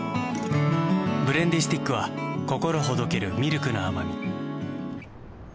ブレンディスティックは心ほどけるミルクの甘み。